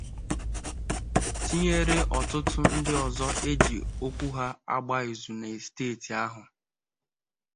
tinyere ọtụtụ ndị ọzọ e ji okwu ha agba ìzù na steeti ahụ.